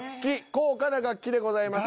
「高価な楽器」でございます。